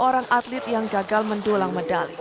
orang atlet yang gagal mendulang medali